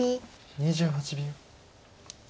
２８秒。